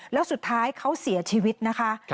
แล้วสุดท้ายเขาเสียชีวิตนะคะ